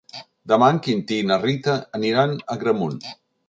Demà en Quintí i na Rita aniran a Agramunt.